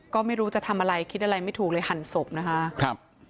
ก็ไม่รู้จะทำอะไรคิดอะไรไม่ถูกเลยหั่นศพนะคะครับ